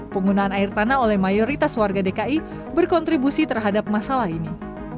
penggunaan air tanah oleh mayoritas warga dki berkontribusi terhadap masalah ini